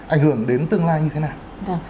ảnh hưởng đến tương lai như thế nào